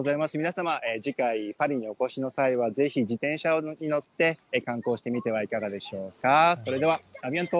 皆様、次回、パリにお越しの際はぜひ自転車に乗って観光してみてはいかがでしょうか。